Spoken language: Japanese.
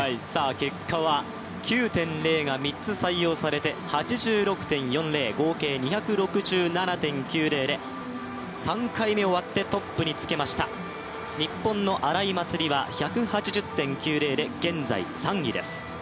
結果は９．０が３つ採用されて８６．４０、合計２６７．９０で３回目終わってトップにつけました日本の荒井祭里は、１８０．９０で現在３位です。